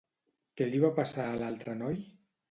Què li va passar a l'altre noi?